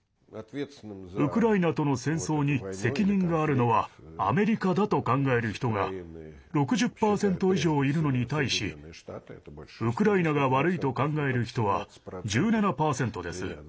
ウクライナとの戦争に責任があるのはアメリカだと考える人が６０％以上いるのに対しウクライナが悪いと考える人は１７％です。